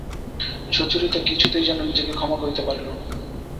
সুচরিতা কিছুতেই যেন নিজেকে ক্ষমা করিতে পারিল না।